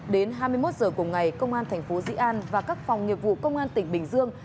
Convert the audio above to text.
đến hai mươi một giờ cùng ngày công an thành phố dĩ an và các phòng nghiệp vụ công an tỉnh bình dương